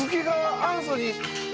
アンソニー。